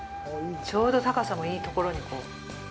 ちょうど高さもいいところに。